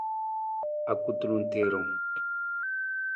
Akutulung tiirung.